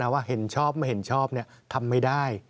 ว่าเห็นชอบไม่เห็นชอบทำไม่ได้